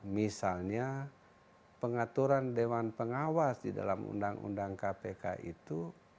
misalnya pengaturan dewan pengawas di dalam undang undang kpk itu